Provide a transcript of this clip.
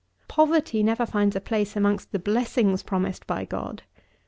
Poverty never finds a place amongst the blessings promised by God.